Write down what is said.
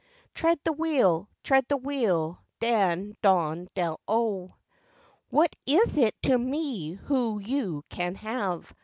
Tread the wheel, tread the wheel, dan, don, dell O.' 'What is it to me who you can have?